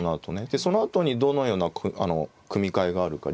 でそのあとにどのような組み替えがあるか。